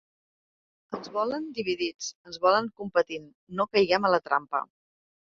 Ens volen dividits, ens volen competint, no caiguem a la trampa.